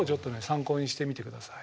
参考にしてみてください。